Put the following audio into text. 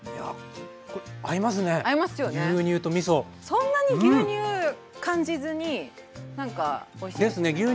そんなに牛乳感じずになんかおいしいですよね。